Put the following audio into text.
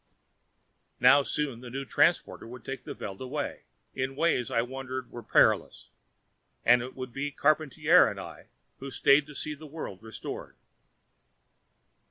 Now soon, the new transporter would take the Veld away in ways I wondered were perilous and it would be Charpantier and I who stayed to see the world restored.